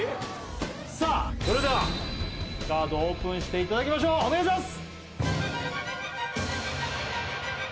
さあそれではカードをオープンしていただきましょうお願いします！